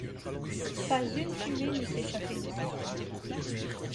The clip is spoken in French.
Pas une fumée ne s’échappait de ses flancs